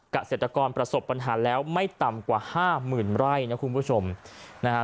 เกษตรกรประสบปัญหาแล้วไม่ต่ำกว่าห้าหมื่นไร่นะคุณผู้ชมนะฮะ